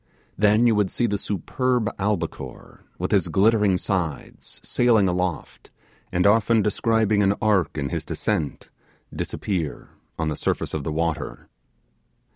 Then you would see the superb albicore, with his glittering sides, sailing aloft, and often describing an arc in his descent, disappear on the surface of the water.